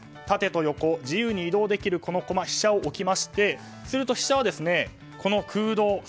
縦と横、自由に移動できる駒飛車を置きましてすると、飛車はこの空洞